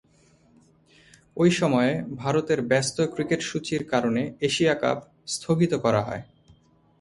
ঐ সময়ে ভারতের ব্যস্ত ক্রিকেটসূচীর কারণে এশিয়া কাপ স্থগিত করা হয়।